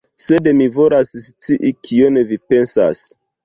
Sed mi volas scii kion vi pensas.